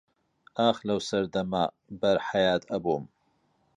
ئاخ لەو سەردەما بەر حەیات ئەبووم